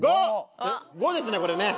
５ですねこれね。